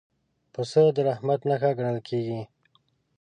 پسه د رحمت نښه ګڼل کېږي.